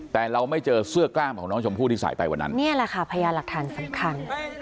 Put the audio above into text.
แต่เราไม่เจอเสื้อกล้ามของน้องชมพู่ที่ใส่ไปวันนั้นนี่แหละค่ะพยานหลักฐานสำคัญ